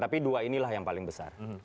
tapi dua inilah yang paling besar